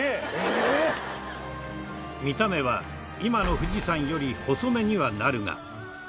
見た目は今の富士山より細めにはなるが。